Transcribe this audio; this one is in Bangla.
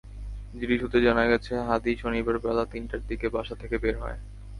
জিডি সূত্রে জানা গেছে, হাদী শনিবার বেলা তিনটার দিকে বাসা থেকে বের হয়।